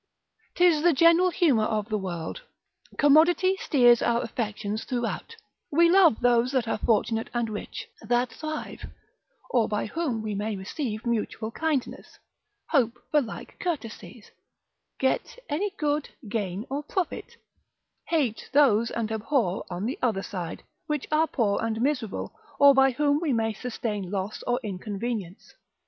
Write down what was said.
'Tis the general humour of the world, commodity steers our affections throughout, we love those that are fortunate and rich, that thrive, or by whom we may receive mutual kindness, hope for like courtesies, get any good, gain, or profit; hate those, and abhor on the other side, which are poor and miserable, or by whom we may sustain loss or inconvenience.